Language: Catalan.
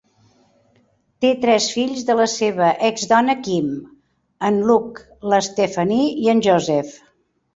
Té tres fills de la seva exdona Kim; en Luke, la Stephanie i en Joseph.